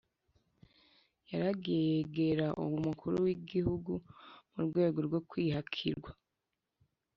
yaragiye yegera umukuru w'igihugu mu rwego rwo kwihakirwa,